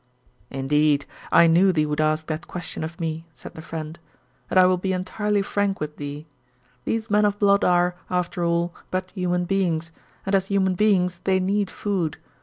"Indeed, I knew thee would ask that question of me," said the Friend, "and I will be entirely frank with thee. These men of blood are, after all, but human beings, and as human beings they need food.